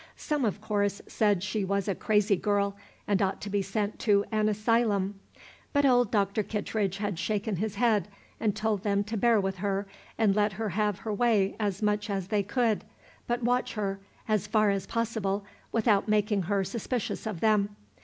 Some, of course, said she was a crazy girl, and ought to be sent to an Asylum. But old Dr. Kittredge had shaken his head, and told them to bear with her, and let her have her way as much as they could, but watch her, as far as possible, without making her suspicious of them.